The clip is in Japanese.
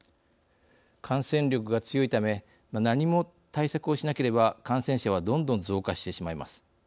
感染力が強いため何も対策をしなければ感染者はどんどん増加してしまいます。